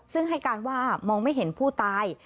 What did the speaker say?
ซึ่งให้การว่ามองไม่เห็นผู้ตาย